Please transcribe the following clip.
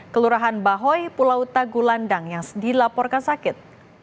kelurahan bahoy pulau tagulandang yang dilaporkan sakit